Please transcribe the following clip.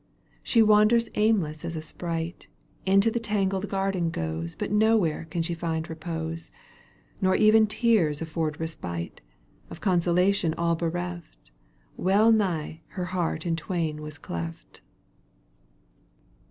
She wanders aimless as a sprite, Into the tangled garden goes But nowhere can she find repose, Nor even tears afford respite. Of consolation all bereft — Well nigh her heart in twain was cleft.